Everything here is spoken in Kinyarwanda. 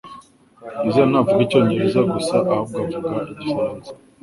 Lisa ntavuga Icyongereza gusa ahubwo avuga Igifaransa